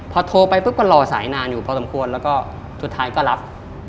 พอโทรไปปุ๊บก็รอสายนานอยู่พอสมควรแล้วก็สุดท้ายก็รับ